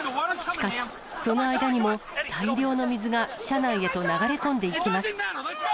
しかし、その間にも大量の水が車内へと流れ込んでいきます。